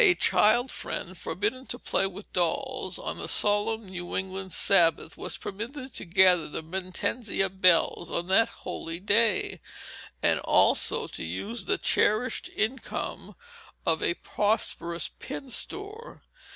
A child friend forbidden to play with dolls on the solemn New England Sabbath was permitted to gather the mertensia bells on that holy day, and also to use the cherished income of a prosperous pin store.